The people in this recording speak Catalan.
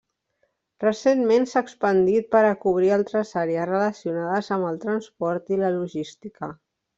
Recentment s'ha expandit per a cobrir altres àrees relacionades amb el transport i la logística.